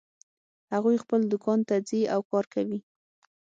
هغوی خپل دوکان ته ځي او کار کوي